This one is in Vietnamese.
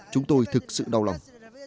chúng tôi thực sự đau lòng